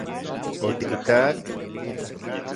¿Otikitak...?